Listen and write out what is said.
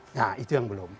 nah itu yang belum